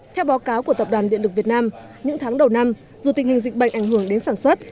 theo báo cáo của tập đoàn điện lực việt nam những tháng đầu năm dù tình hình dịch bệnh ảnh hưởng đến sản xuất